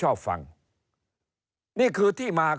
เริ่มตั้งแต่หาเสียงสมัครลง